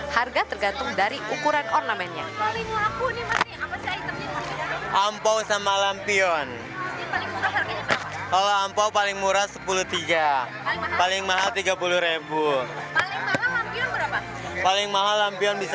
harga tergantung dari ukuran ornamennya